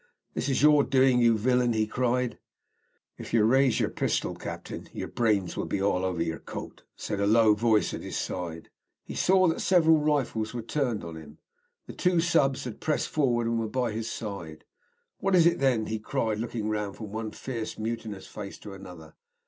"This is your doing, you villain!" he cried. "If you raise your pistol, Captin, your brains will be over your coat," said a low voice at his side. He saw that several rifles were turned on him. The two subs. had pressed forward, and were by his side. "What is it, then?" he cried, looking round from one fierce mutinous face to another.